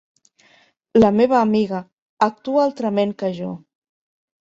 La meva amiga actua altrament que jo.